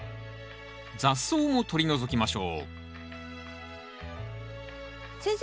雑草も取り除きましょう先生。